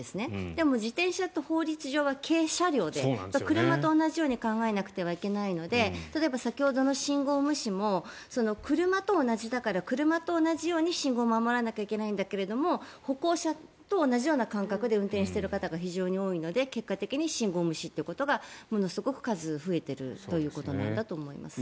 でも、自転車って法律上は軽車両で車と同じように考えなくてはいけないので例えば先ほどの信号無視も車と同じだから車と同じように信号を守らなきゃいけないんだけども歩行者と同じような感覚で運転している方が非常に多いので、結果的に信号無視ということがものすごく数が増えているということなんだと思います。